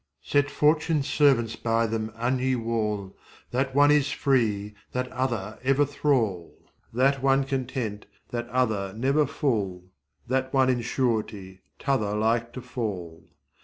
Set Fortune's servants by them an ye wull,26 That one is free, that other ever thrall,27 That one content, that other never full, That one in surety, t'other like to fall.